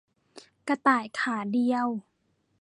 กระต่ายขาเดียว